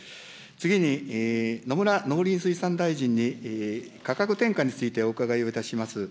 次に野村農林水産大臣に、価格転嫁についてお伺いをいたします。